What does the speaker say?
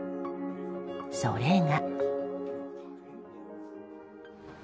それが。